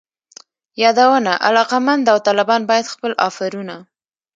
یادونه: علاقمند داوطلبان باید خپل آفرونه